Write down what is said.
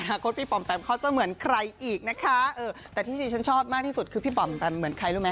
คตพี่ปอมแปมเขาจะเหมือนใครอีกนะคะเออแต่ที่ที่ฉันชอบมากที่สุดคือพี่ป๋อมแปมเหมือนใครรู้ไหม